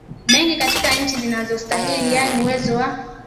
mengi katika nchi zinazostawi yana uwezo wa